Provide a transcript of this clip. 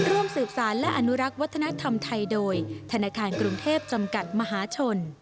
ร่วมสืบสารและอนุรักษ์วัฒนธรรมไทยโดยธนาคารกรุงเทพจำกัดมหาชน